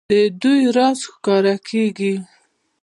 د دوی راز ښکاره کېږي.